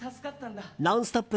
「ノンストップ！」